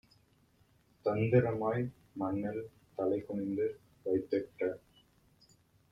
தந்திரமாய் மண்ணில் தலைகுனிந்து வைத்திட்ட